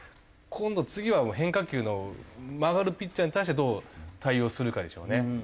今度次はもう変化球の曲がるピッチャーに対してどう対応するかでしょうね。